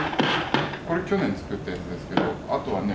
これ去年作ったやつですけどあとはね